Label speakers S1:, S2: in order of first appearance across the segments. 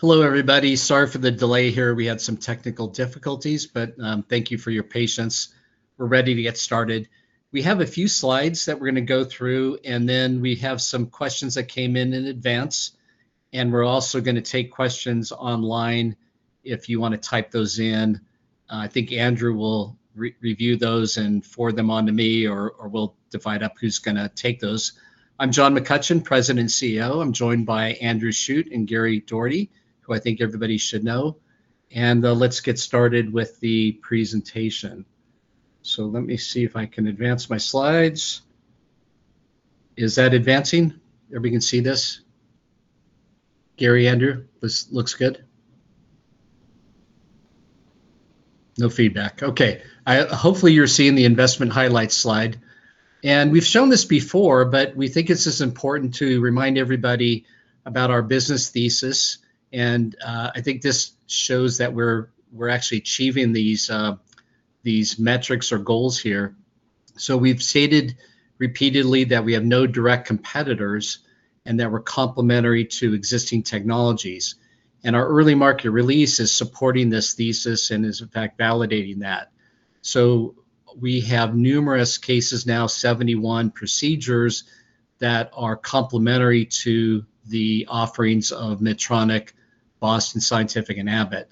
S1: Hello, everybody. Sorry for the delay here. We had some technical difficulties but thank you for your patience. We're ready to get started. We have a few slides that we're gonna go through, and then we have some questions that came in in advance. We're also gonna take questions online if you wanna type those in. I think Andrew will review those and forward them on to me, or we'll divide up who's gonna take those. I'm John McCutcheon, President and CEO. I'm joined by Andrew Shute and Gary Doherty, who I think everybody should know. Let's get started with the presentation. Let me see if I can advance my slides. Is that advancing? Everybody can see this? Gary, Andrew, this looks good? No feedback. Okay. Hopefully, you're seeing the investment highlights slide. We've shown this before, but we think it's just important to remind everybody about our business thesis, and I think this shows that we're actually achieving these metrics or goals here. We've stated repeatedly that we have no direct competitors and that we're complementary to existing technologies, and our early market release is supporting this thesis and is, in fact, validating that. We have numerous cases now, 71 procedures, that are complementary to the offerings of Medtronic, Boston Scientific, and Abbott,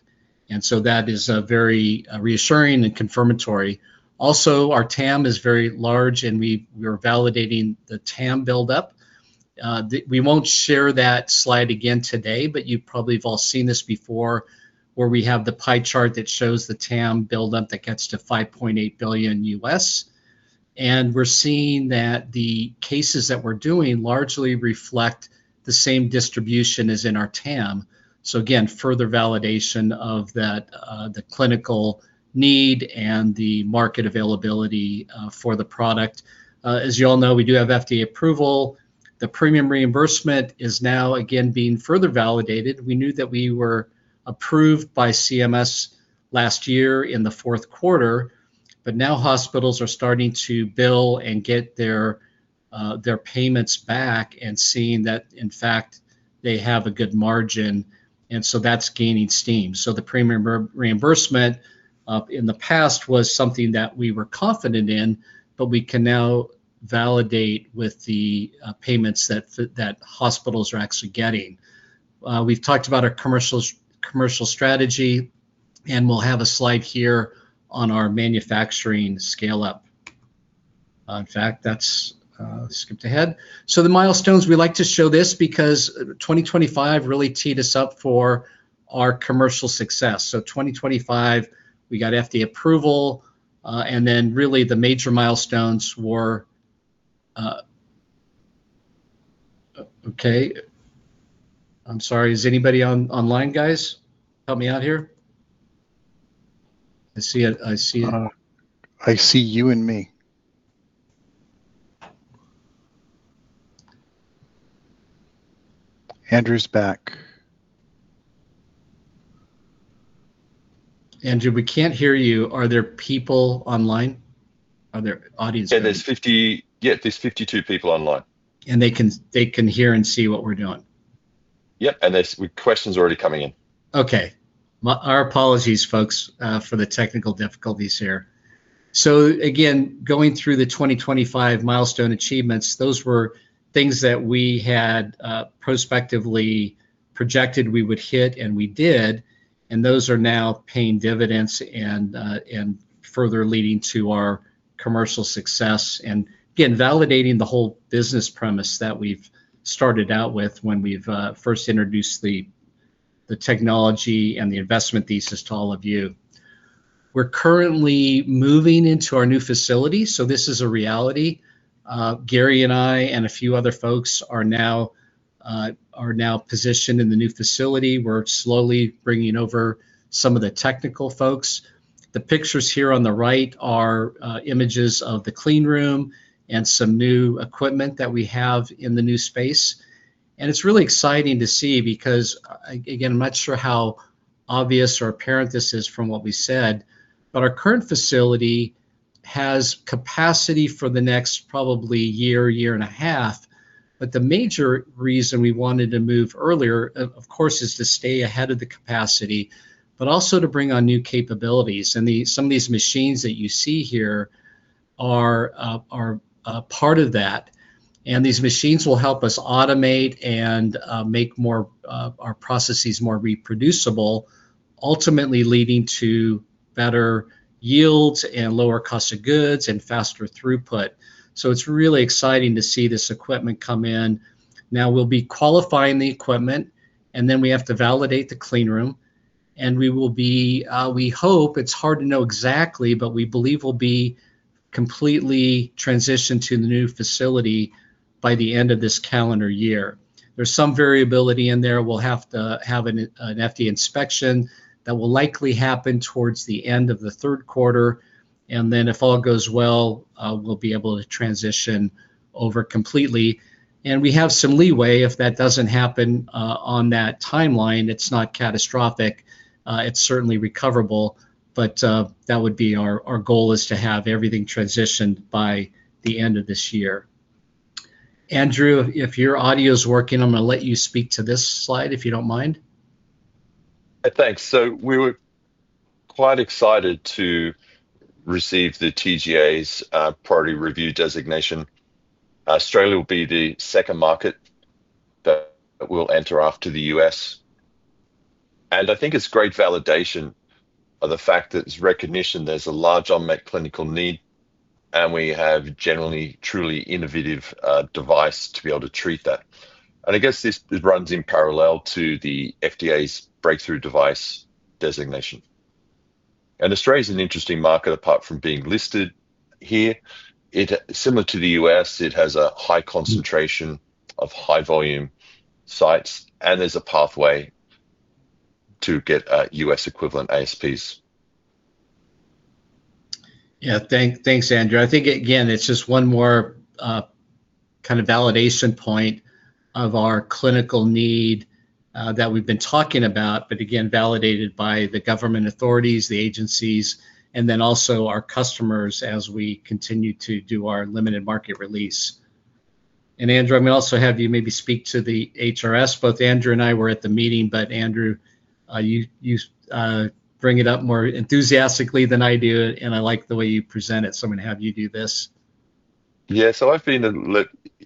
S1: and so that is very reassuring and confirmatory. Also, our TAM is very large, and we're validating the TAM buildup. We won't share that slide again today, but you probably have all seen this before where we have the pie chart that shows the TAM buildup that gets to $5.8 billion. We're seeing that the cases that we're doing largely reflect the same distribution as in our TAM. Again, further validation of that, the clinical need and the market availability for the product. As you all know, we do have FDA approval. The premium reimbursement is now again being further validated. We knew that we were approved by CMS last year in the fourth quarter, but now, hospitals are starting to bill and get their payments back and seeing that, in fact, they have a good margin, and so, that's gaining steam. The premium reimbursement in the past was something that we were confident in, but we can now validate with the payments that hospitals are actually getting. We've talked about our commercial strategy, and we'll have a slide here on our manufacturing scale-up. In fact, that's skipped ahead. The milestones, we like to show this because 2025 really teed us up for our commercial success. 2025, we got FDA approval, and then really, the major milestones were, oh, okay, I'm sorry. Is anybody online, guys? Help me out here. I see you and me. Andrew's back. Andrew, we can't hear you. Are there people online? Are there audience members?
S2: Yeah, there's 52 people online.
S1: They can hear and see what we're doing?
S2: Yeah, and there's questions already coming in.
S1: Okay. Our apologies, folks, for the technical difficulties here. Again, going through the 2025 milestone achievements, those were things that we had prospectively projected we would hit, and we did, and those are now paying dividends and further leading to our commercial success and, again, validating the whole business premise that we've started out with when we've first introduced the technology and the investment thesis to all of you. We're currently moving into our new facility, so this is a reality. Gary and I and a few other folks are now positioned in the new facility. We're slowly bringing over some of the technical folks. The pictures here on the right are images of the clean room and some new equipment that we have in the new space. It's really exciting to see because, again, I'm not sure how obvious or apparent this is from what we said, but our current facility has capacity for the next probably year, year and a half. But the major reason we wanted to move earlier, of course, is to stay ahead of the capacity, but also to bring on new capabilities, and the some of these machines that you see here are part of that. These machines will help us automate and make our processes more reproducible, ultimately leading to better yields and lower cost of goods and faster throughput. So, it's really exciting to see this equipment come in. Now, we'll be qualifying the equipment, and then we have to validate the clean room, and we will be, we hope, it's hard to know exactly, but we believe we'll be completely transitioned to the new facility by the end of this calendar year. There's some variability in there. We'll have to have an FDA inspection. That will likely happen towards the end of the third quarter, and then if all goes well, we'll be able to transition over completely. And we have some leeway if that doesn't happen on that timeline. It's not catastrophic. It's certainly recoverable, but that would be our goal is to have everything transitioned by the end of this year. Andrew, if your audio's working, I'm gonna let you speak to this slide, if you don't mind.
S2: Thanks. We were quite excited to receive the TGA's Priority Review designation. Australia will be the second market that we'll enter after the U.S., and I think it's great validation of the fact that it's recognition there's a large unmet clinical need, and we have generally truly innovative device to be able to treat that. I guess this runs in parallel to the FDA's Breakthrough Device designation. Australia's an interesting market apart from being listed here. Similar to the U.S., it has a high concentration of high-volume sites, and there's a pathway to get a U.S. equivalent ASPs.
S1: Yeah, thanks, Andrew. I think, again, it's just one more kind of validation point of our clinical need that we've been talking about, but again, validated by the government authorities, the agencies, and then also our customers as we continue to do our limited market release. Andrew, I'm gonna also have you maybe speak to the HRS. Both Andrew and I were at the meeting, but Andrew, you bring it up more enthusiastically than I do, and I like the way you present it, so I'm gonna have you do this.
S2: Yeah. So, I've been in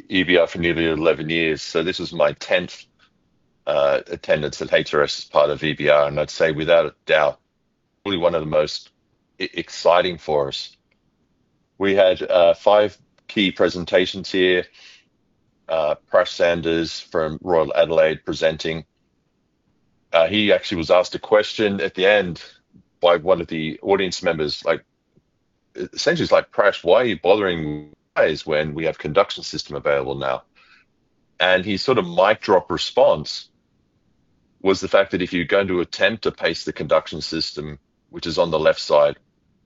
S2: EBR for nearly 11 years, so this is my 10th attendance at HRS as part of EBR, and I'd say without a doubt, probably one of the most exciting for us. We had five key presentations here. Prash Sanders from Royal Adelaide presenting. He actually was asked a question at the end by one of the audience members, like, essentially, it's like, "Prash, why are you bothering guys when we have conduction system available now?" His sort of mic drop response was the fact that if you're going to attempt to pace the conduction system, which is on the left side,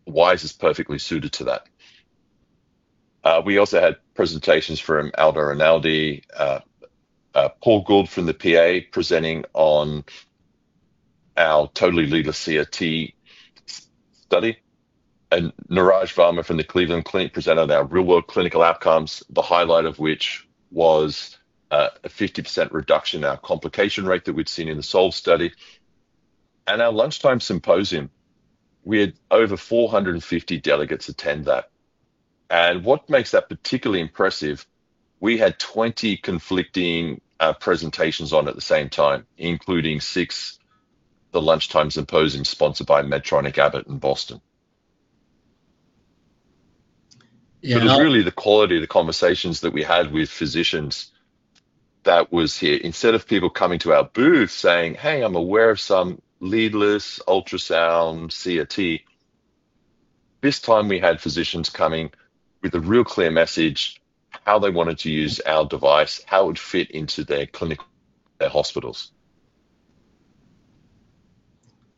S2: WiSE is perfectly suited to that. We also had presentations from Aldo Rinaldi, Paul Gould from the PA presenting on our Totally Leadless CRT study, and Niraj Varma from the Cleveland Clinic presented our real-world clinical outcomes, the highlight of which was a 50% reduction in our complication rate that we'd seen in the SOLVE-CRT study. And our lunchtime symposium, we had over 450 delegates attend that. What makes that particularly impressive, we had 20 conflicting presentations on at the same time, including six the lunchtime symposium sponsored by Medtronic, Abbott, and Boston.
S1: Yeah, now.
S2: It's really the quality of the conversations that we had with physicians that was here. Instead of people coming to our booth saying, "Hey, I'm aware of some leadless ultrasound CRT," this time, we had physicians coming with a real clear message, how they wanted to use our device, how it would fit into their clinic, their hospitals.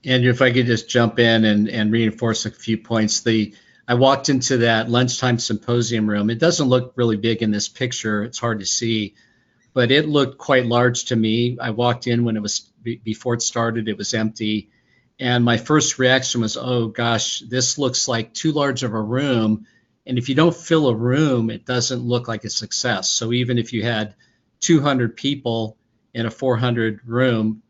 S1: Andrew, if I could just jump in and reinforce a few points. I walked into that lunchtime symposium room. It doesn't look really big in this picture. It's hard to see, but it looked quite large to me. I walked in when it was, before it started, it was empty, and my first reaction was, "Oh, gosh, this looks like too large of a room." And if you don't fill a room, it doesn't look like a success, so even if you had 200 people in a 400 room,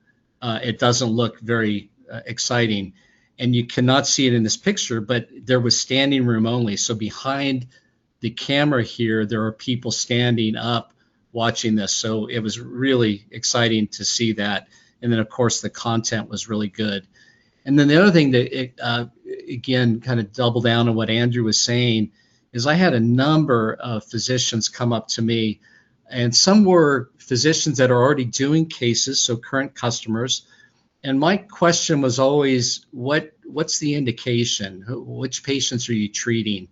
S1: it doesn't look very exciting. You cannot see it in this picture, but there was standing room only. Behind the camera here, there are people standing up watching this, so it was really exciting to see that. Of course, the content was really good. The other thing that it, again, kind of double down on what Andrew was saying, is I had a number of physicians come up to me, and some were physicians that are already doing cases, so current customers, and my question was always, "What's the indication? Which patients are you treating?"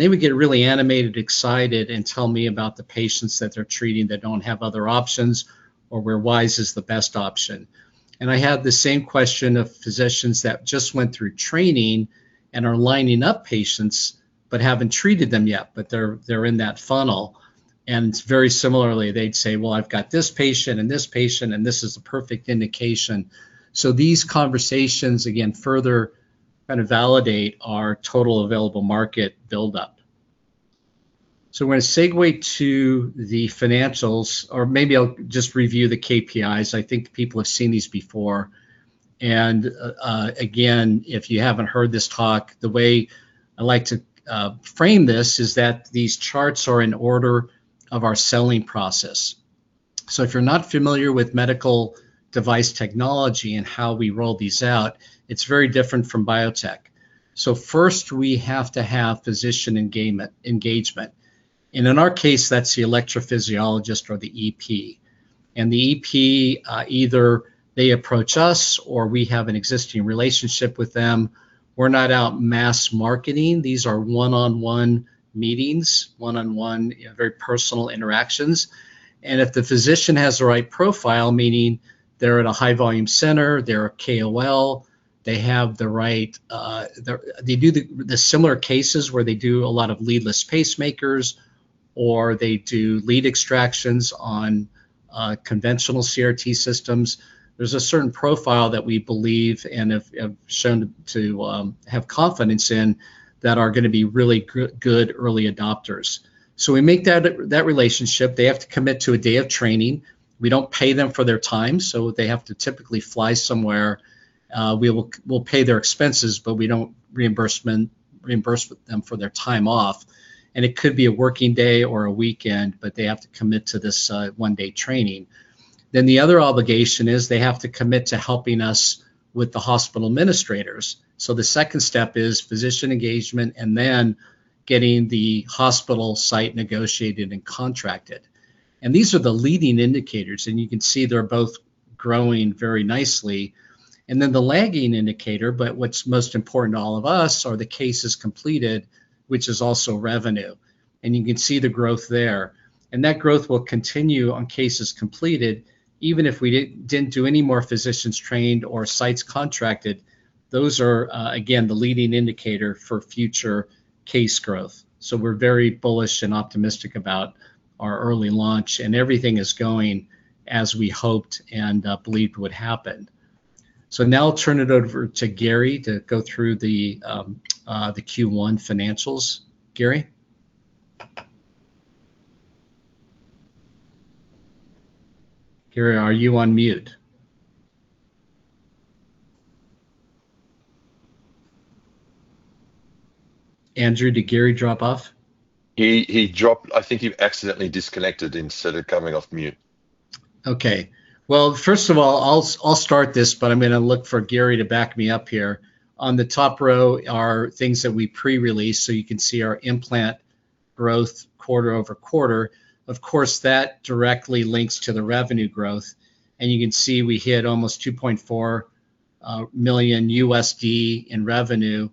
S1: They would get really animated, excited, and tell me about the patients that they're treating that don't have other options or where WiSE is the best option. And I had the same question of physicians that just went through training and are lining up patients but haven't treated them yet, but they're in that funnel. Very similarly, they'd say, "Well, I've got this patient and this patient, and this is the perfect indication." So, these conversations, again, further kind of validate our total available market buildup. We're gonna segue to the financials, or maybe I'll just review the KPIs. I think people have seen these before. Again, if you haven't heard this talk, the way I like to frame this is that these charts are in order of our selling process. If you're not familiar with medical device technology and how we roll these out, it's very different from biotech. First, we have to have physician engagement. In our case, that's the electrophysiologist or the EP. The EP, either they approach us or we have an existing relationship with them. We're not out mass marketing. These are one-on-one meetings, one-on-one, very personal interactions. If the physician has the right profile, meaning they're in a high-volume center, they're a KOL, they have the right, they do the similar cases where they do a lot of leadless pacemakers or they do lead extractions on conventional CRT systems, there's a certain profile that we believe and have shown to have confidence in that are gonna be really good early adopters. So, we make that relationship. They have to commit to a day of training. We don't pay them for their time, so they have to typically fly somewhere. We will pay their expenses, but we don't reimburse them for their time off, and it could be a working day or a weekend, but they have to commit to this one-day training. Then, the other obligation is they have to commit to helping us with the hospital administrators. So, the second step is physician engagement and then getting the hospital site negotiated and contracted, and these are the leading indicators, and you can see they're both growing very nicely. Then, the lagging indicator, but what's most important to all of us are the cases completed, which is also revenue, and you can see the growth there. That growth will continue on cases completed even if we didn't do any more physicians trained or sites contracted. Those are, again, the leading indicator for future case growth. We're very bullish and optimistic about our early launch, and everything is going as we hoped and believed would happen. Now, I'll turn it over to Gary to go through the Q1 financials. Gary? Gary, are you on mute? Andrew, did Gary drop off?
S2: He dropped. I think he accidentally disconnected instead of coming off mute.
S1: Okay. Well, first of all, I'll start this, but I'm gonna look for Gary to back me up here. On the top row are things that we pre-released, so you can see our implant growth quarter-over-quarter. Of course, that directly links to the revenue growth, and you can see we hit almost $2.4 million in revenue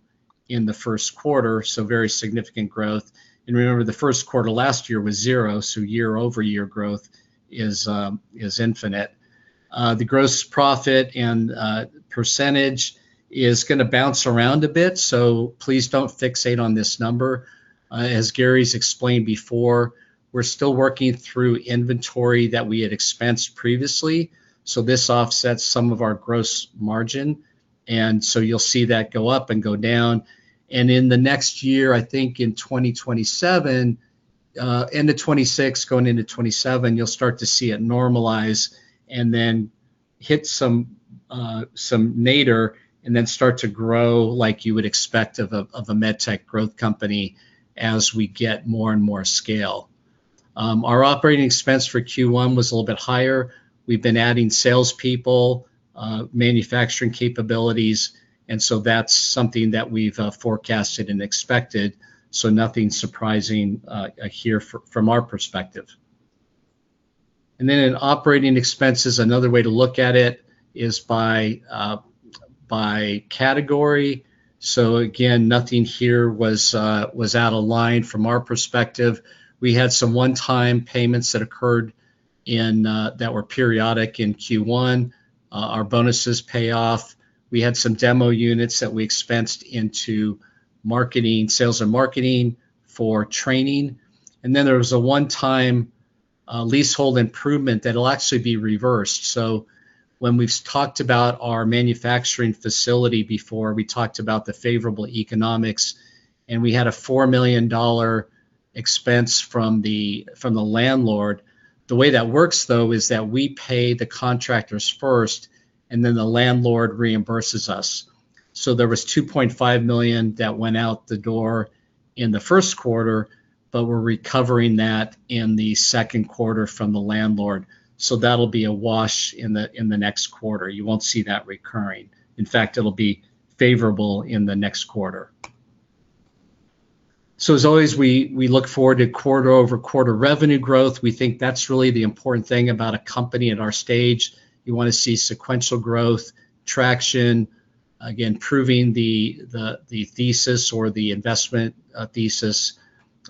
S1: in the first quarter, so very significant growth. Remember, the first quarter last year was zero, so year-over-year growth is infinite. The gross profit and percentage is gonna bounce around a bit, so, please don't fixate on this number. As Gary's explained before, we're still working through inventory that we had expensed previously, so this offsets some of our gross margin, and so you'll see that go up and go down. In the next year, I think in 2027, end of 2026 going into 2027, you'll start to see it normalize and then hit some nadir and then start to grow like you would expect of a, of a med tech growth company as we get more and more scale. Our operating expense for Q1 was a little bit higher. We've been adding salespeople, manufacturing capabilities, and so that's something that we've forecasted and expected, so nothing surprising here from our perspective. In operating expenses, another way to look at it is by category. Again, nothing here was out of line from our perspective. We had some one-time payments that occurred that were periodic in Q1. Our bonuses pay off. We had some demo units that we expensed into marketing, sales and marketing for training. There was a one-time leasehold improvement that'll actually be reversed. When we've talked about our manufacturing facility before, we talked about the favorable economics, and we had a $4 million expense from the landlord. The way that works, though, is that we pay the contractors first, and then the landlord reimburses us. There was $2.5 million that went out the door in the first quarter, but we're recovering that in the second quarter from the landlord, so that'll be a wash in the next quarter. You won't see that recurring. In fact, it'll be favorable in the next quarter. As always, we look forward to quarter-over-quarter revenue growth. We think that's really the important thing about a company at our stage. You wanna see sequential growth, traction, again, proving the thesis or the investment thesis.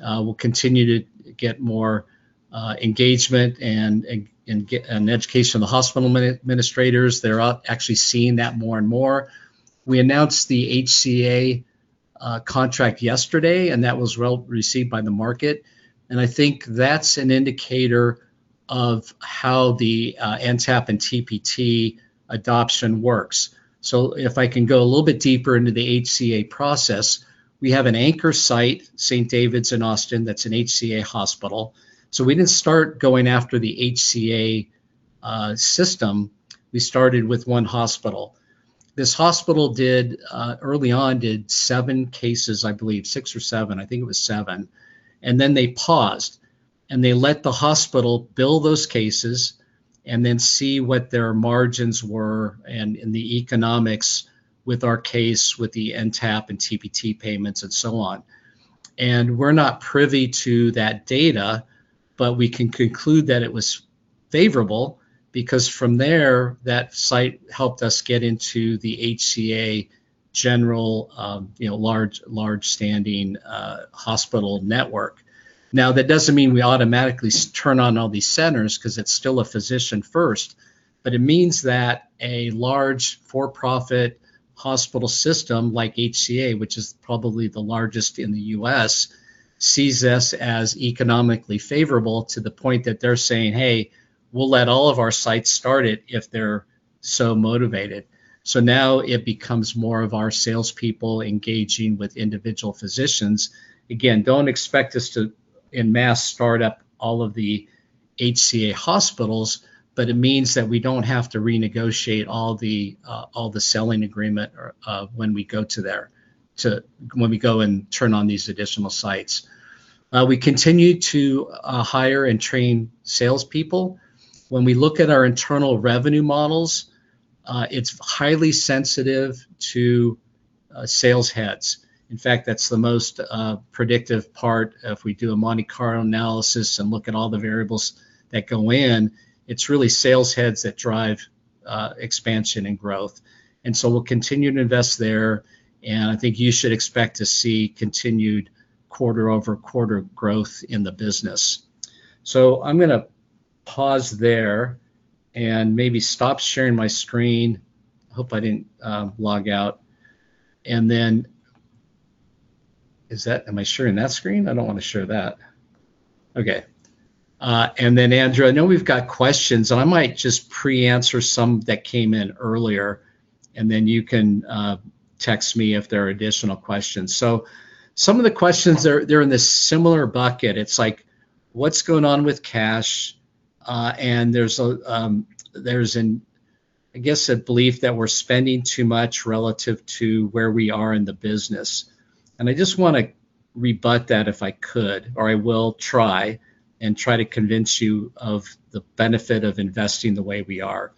S1: We'll continue to get more engagement and an education from the hospital administrators. They're actually seeing that more and more. We announced the HCA contract yesterday, and that was well-received by the market, and I think that's an indicator of how the NTAP and TPT adoption works. If I can go a little bit deeper into the HCA process, we have an anchor site, St. David's in Austin, that's an HCA hospital, so we didn't start going after the HCA system, we started with one hospital. This hospital did, early on, did seven cases, I believe. Six or seven. I think it was seven. Then, they paused, and they let the hospital bill those cases and then see what their margins were and the economics with our case with the NTAP and TPT payments and so on. We're not privy to that data, but we can conclude that it was favorable because from there, that site helped us get into the HCA general, you know, large standing hospital network. Now, that doesn't mean we automatically turn on all these centers, 'cause it's still a physician first, but it means that a large, for-profit hospital system like HCA, which is probably the largest in the U.S., sees this as economically favorable to the point that they're saying, "Hey, we'll let all of our sites start it if they're so motivated." So, now, it becomes more of our salespeople engaging with individual physicians. Again, don't expect us to en masse start up all of the HCA hospitals, but it means that we don't have to renegotiate all the all the selling agreement when we go and turn on these additional sites. We continue to hire and train salespeople. When we look at our internal revenue models, it's highly sensitive to sales heads. In fact, that's the most predictive part if we do a Monte Carlo analysis and look at all the variables that go in, it's really sales heads that drive expansion and growth. We'll continue to invest there, and I think you should expect to see continued quarter-over-quarter growth in the business. I'm gonna pause there and maybe stop sharing my screen. I hope I didn't log out. Am I sharing that screen? I don't wanna share that. Okay. Andrew, I know we've got questions, and I might just pre-answer some that came in earlier, then you can text me if there are additional questions. Some of the questions are, they're in this similar bucket. It's like, what's going on with cash? There's a, I guess, a belief that we're spending too much relative to where we are in the business. I just wanna rebut that if I could, or I will try and try to convince you of the benefit of investing the way we are.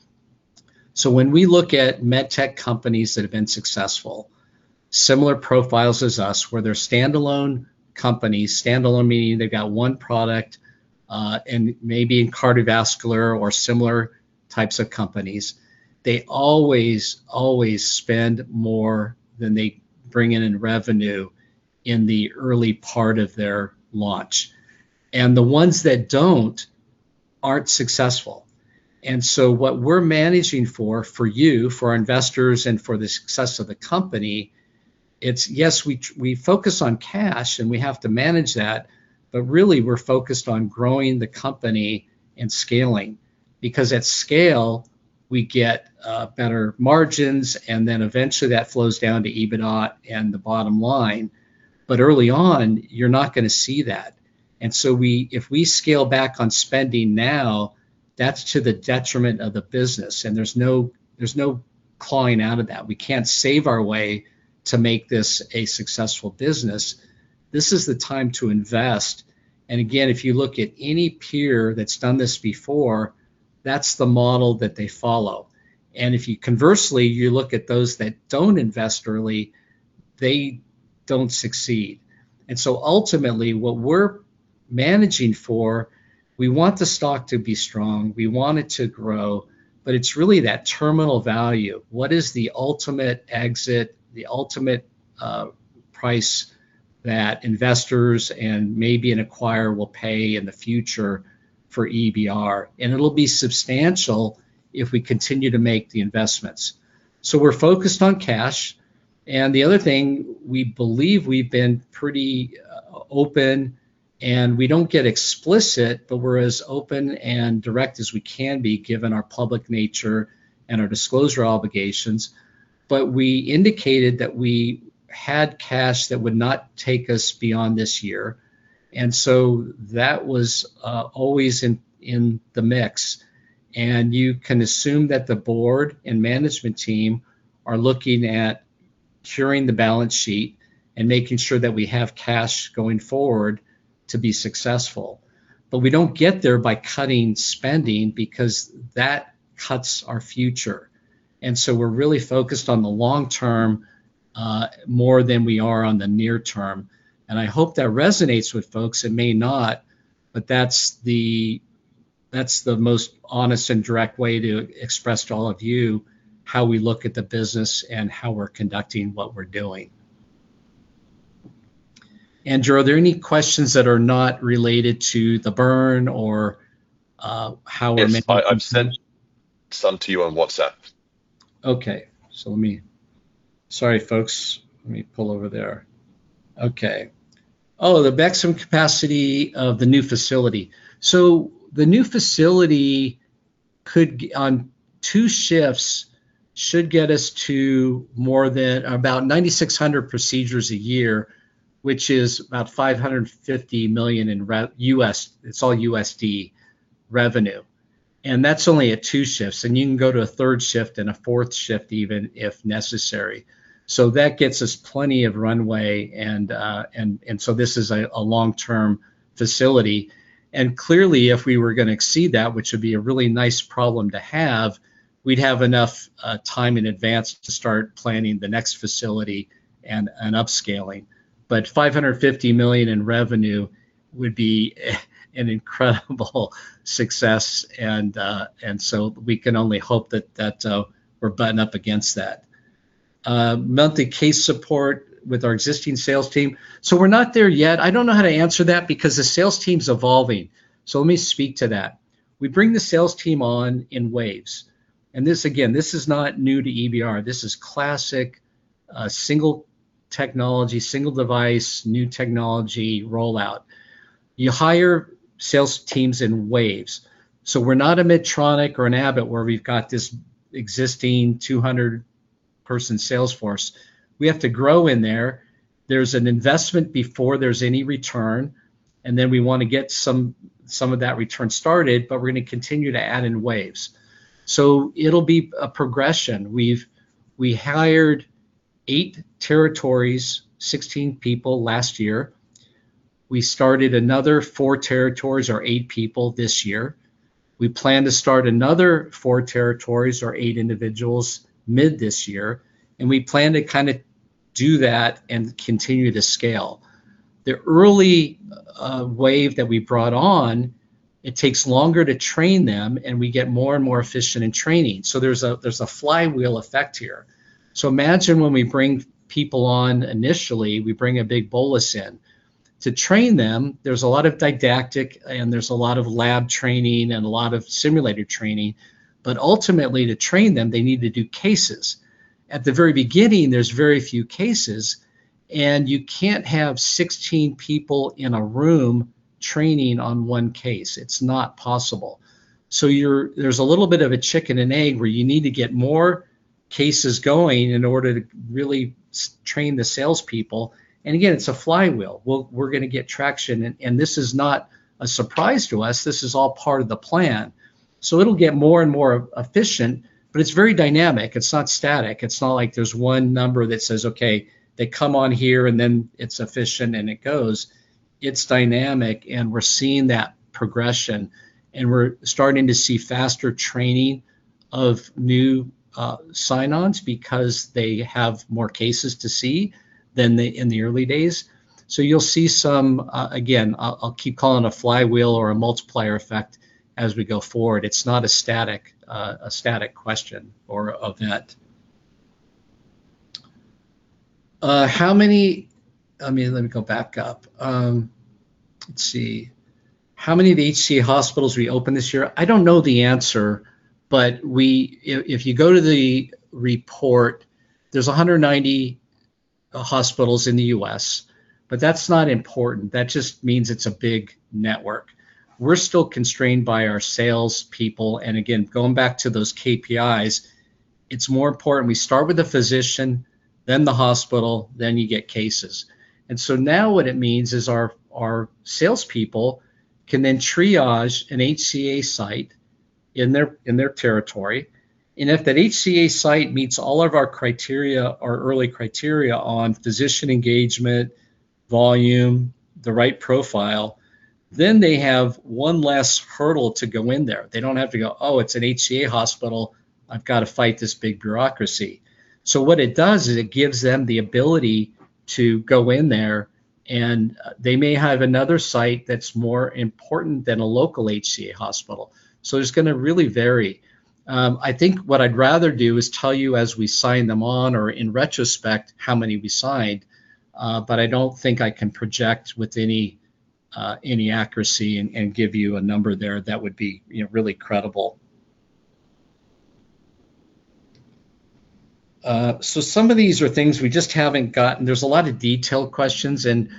S1: When we look at medtech companies that have been successful, similar profiles as us, where they're standalone companies, standalone meaning they've got one product, and maybe in cardiovascular or similar types of companies, they always, always spend more than they bring in in revenue in the early part of their launch. And the ones that don't, aren't successful. What we're managing for you, for our investors, and for the success of the company, it's yes, we focus on cash, and we have to manage that, but really, we're focused on growing the company and scaling because at scale, we get better margins, and then eventually that flows down to EBITDA and the bottom line. But early on, you're not gonna see that. If we scale back on spending now, that's to the detriment of the business, and there's no clawing out of that. We can't save our way to make this a successful business. This is the time to invest. Again, if you look at any peer that's done this before, that's the model that they follow. If you conversely, you look at those that don't invest early, they don't succeed. Ultimately, what we're managing for, we want the stock to be strong, we want it to grow, but it's really that terminal value. What is the ultimate exit, the ultimate price that investors and maybe an acquirer will pay in the future for EBR? It'll be substantial if we continue to make the investments. We're focused on cash, and the other thing, we believe we've been pretty open, and we don't get explicit, but we're as open and direct as we can be given our public nature and our disclosure obligations, but we indicated that we had cash that would not take us beyond this year, and so that was always in the mix. You can assume that the board and management team are looking at curing the balance sheet and making sure that we have cash going forward to be successful. We don't get there by cutting spending because that cuts our future. We're really focused on the long term, more than we are on the near term. I hope that resonates with folks. It may not, but that's the most honest and direct way to express to all of you how we look at the business and how we're conducting what we're doing. Andrew, are there any questions that are not related to the burn or how we're making.
S2: Yes. I've sent some to you on WhatsApp.
S1: Okay. Let me. Sorry, folks. Let me pull over there. Okay. Oh, the maximum capacity of the new facility. So, the new facility could, on two shifts, should get us to more than about 9,600 procedures a year, which is about $550 million, it's all USD revenue. That's only at two shifts, and you can go to a third shift and a fourth shift even, if necessary. That gets us plenty of runway and so, this is a long-term facility. Clearly, if we were gonna exceed that, which would be a really nice problem to have, we'd have enough time in advance to start planning the next facility and upscaling. But $550 million in revenue would be an incredible success and, so we can only hope that we're butting up against that. Monthly case support with our existing sales team. We're not there yet. I don't know how to answer that because the sales team's evolving, so let me speak to that. We bring the sales team on in waves, and this again, this is not new to EBR. This is classic, single technology, single device, new technology rollout. You hire sales teams in waves. We're not a Medtronic or an Abbott where we've got this existing 200-person sales force. We have to grow in there. There's an investment before there's any return, and then we wanna get some of that return started, but we're gonna continue to add in waves. So, it'll be a progression. We hired eight territories, 16 people last year. We started another four territories or eight people this year. We plan to start another four territories or eight individuals mid this year, and we plan to kind of do that and continue to scale. The early wave that we brought on, it takes longer to train them, and we get more and more efficient in training. So, there's a flywheel effect here. Imagine when we bring people on initially, we bring a big bolus in. To train them, there's a lot of didactic and there's a lot of lab training and a lot of simulator training, but ultimately to train them, they need to do cases. At the very beginning, there's very few cases, and you can't have 16 people in a room training on one case. It's not possible. There's a little bit of a chicken and egg where you need to get more cases going in order to really train the salespeople. Again, it's a flywheel. We're gonna get traction, and this is not a surprise to us. This is all part of the plan. It'll get more and more efficient, but it's very dynamic. It's not static. It's not like there's one number that says, "Okay, they come on here, and then it's efficient, and it goes." It's dynamic, and we're seeing that progression, and we're starting to see faster training of new sign-ons because they have more cases to see than in the early days. You'll see some, again, I'll keep calling a flywheel or a multiplier effect as we go forward. It's not a static question or of that. How many, I mean, let me go back up. Let's see. How many of the HCA hospitals we open this year? I don't know the answer, but if you go to the report, there's 190 hospitals in the U.S., but that's not important. That just means it's a big network. We're still constrained by our salespeople, and again, going back to those KPIs, it's more important we start with the physician, then the hospital, then you get cases. Now, what it means is our salespeople can then triage an HCA site in their territory, and if that HCA site meets all of our criteria, our early criteria on physician engagement, volume, the right profile, then they have one last hurdle to go in there. They don't have to go, "Oh, it's an HCA hospital. I've got to fight this big bureaucracy." What it does is it gives them the ability to go in there and they may have another site that's more important than a local HCA hospital. It's gonna really vary. I think what I'd rather do is tell you as we sign them on or in retrospect how many we signed, but I don't think I can project with any accuracy and give you a number there that would be, you know, really credible. Some of these are things we just haven't gotten. There's a lot of detailed questions, and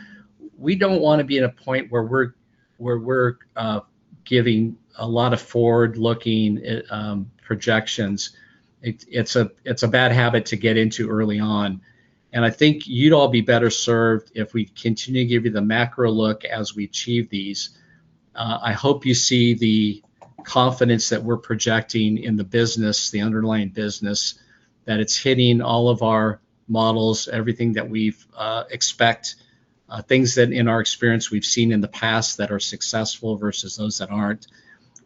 S1: we don't wanna be at a point where we're giving a lot of forward-looking projections. It's a bad habit to get into early on. I think you'd all be better served if we continue to give you the macro look as we achieve these. I hope you see the confidence that we're projecting in the business, the underlying business, that it's hitting all of our models, everything that we've expect, things that in our experience we've seen in the past that are successful versus those that aren't.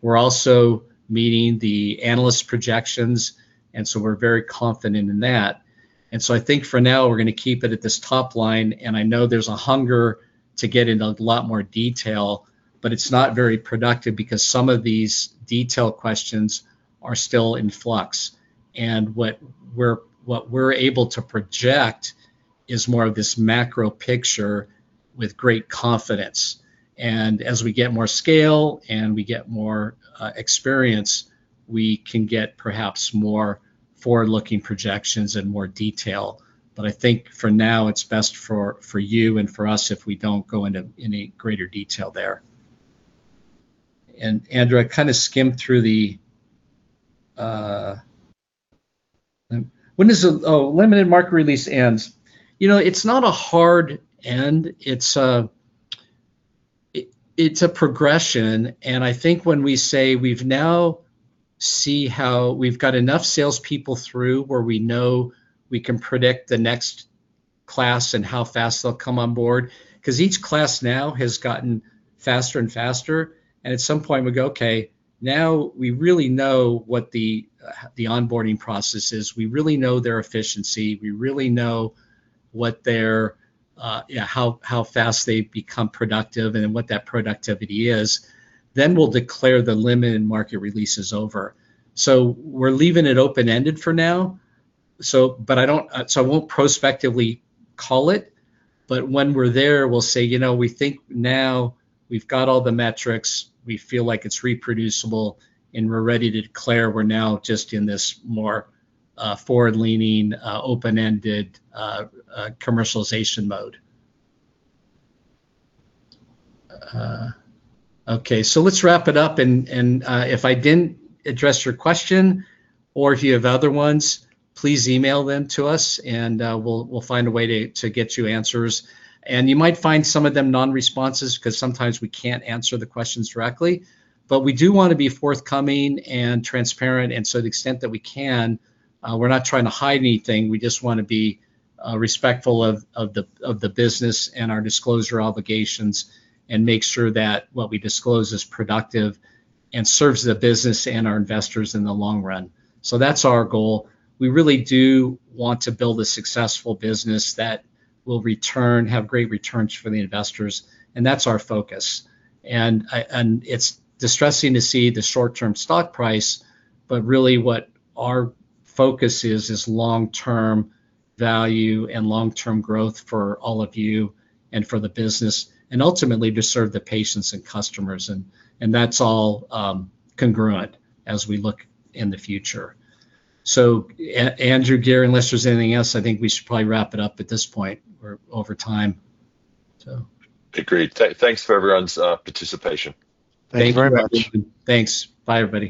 S1: We're also meeting the analyst projections. We're very confident in that. I think for now, we're gonna keep it at this top line. I know there's a hunger to get into a lot more detail, but it's not very productive because some of these detailed questions are still in flux. What we're able to project is more of this macro picture with great confidence. As we get more scale and we get more experience, we can get perhaps more forward-looking projections and more detail. I think for now, it's best for you and for us if we don't go into any greater detail there. Andrew, I kind of skimmed through the, when does the limited market release end? You know, it's not a hard end, it's a progression. And I think when we say we've now see how we've got enough salespeople through where we know we can predict the next class and how fast they'll come on board, 'cause each class now has gotten faster and faster, and at some point we go, "Okay, now we really know what the onboarding process is. We really know their efficiency. We really know what their, yeah, how fast they become productive and what that productivity is." Then we'll declare the limited market release is over. We're leaving it open-ended for now, but I won't prospectively call it, but when we're there, we'll say, "You know, we think now we've got all the metrics. We feel like it's reproducible, and we're ready to declare we're now just in this more forward-leaning, open-ended commercialization mode." Okay, let's wrap it up and if I didn't address your question or if you have other ones, please email them to us and we'll find a way to get you answers. You might find some of them non-responses 'cause sometimes we can't answer the questions directly. But we do want to be forthcoming and transparent. And to the extent that we can, we're not trying to hide anything. We just want to be respectful of the business and our disclosure obligations and make sure that what we disclose is productive and serves the business and our investors in the long run. That's our goal. We really do want to build a successful business that will return, have great returns for the investors, and that's our focus. It's distressing to see the short-term stock price, but really, what our focus is long-term value and long-term growth for all of you and for the business and ultimately to serve the patients and customers and that's all congruent as we look in the future. Andrew, Gary, unless there's anything else, I think we should probably wrap it up at this point. We're over time.
S2: Agreed. Thanks for everyone's participation.
S1: Thank you very much. Thanks. Bye everybody.